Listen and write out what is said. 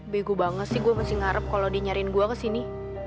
begu banget sih gue masih ngarep kalo dia nyariin gue kesini